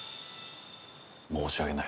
申し訳ない。